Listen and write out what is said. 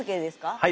はい。